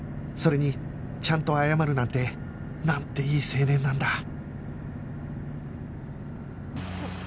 それにちゃんと謝るなんてなんていい青年なんだ